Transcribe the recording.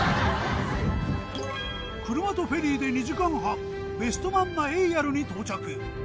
車とフェリーで２時間半ベストマンナエイヤルに到着。